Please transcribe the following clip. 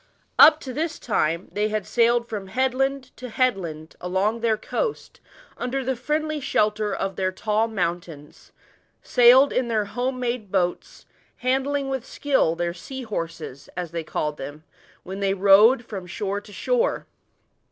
Up to this time they had sailed from headland to headland along their coast, under the friendly shelter of their tall mountains sailed in their home made boats, handling with skill their "sea hor^es," as they called them, when they rode from shore to shore.